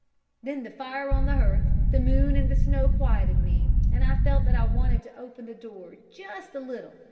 Then the fire on the hearth, the moon and the snow quieted me, and I felt that I wanted to open the door, just a little.